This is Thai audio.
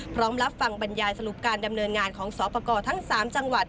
รับฟังบรรยายสรุปการดำเนินงานของสอบประกอบทั้ง๓จังหวัด